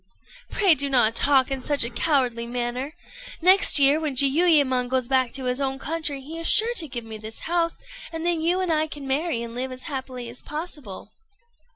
"Pray do not talk in such a cowardly manner. Next year, when Jiuyémon goes back to his own country, he is sure to give me this house, and then you and I can marry and live as happily as possible."